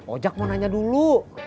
ojak mau nanya dulu